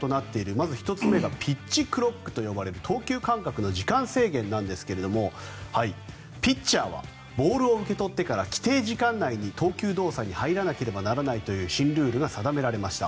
まず１つ目がピッチクロックと呼ばれる投球間隔の時間制限ですがピッチャーはボールを受け取ってから規定時間内に投球動作に入らなければならないという新ルールが定められました。